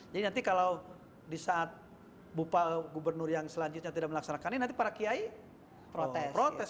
jadi nanti kalau di saat bupa gubernur yang selanjutnya tidak melaksanakannya nanti para kiai protes